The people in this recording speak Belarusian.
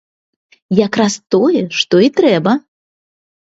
Як раз тое, што і трэба!